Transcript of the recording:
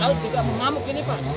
laut juga memamuk gini pak